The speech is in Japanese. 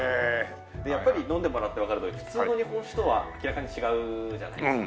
やっぱり飲んでもらってわかるとおり普通の日本酒とは明らかに違うじゃないですか。